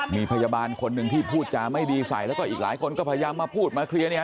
มีพยาบาลคนหนึ่งที่พูดจาไม่ดีใส่แล้วก็อีกหลายคนก็พยายามมาพูดมาเคลียร์เนี่ย